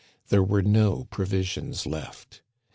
There were no provisions left.